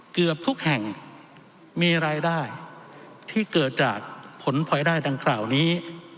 เกือบทุกแห่งมีรายได้ที่เกิดจากผลพลอยได้ดังกล่าวนี้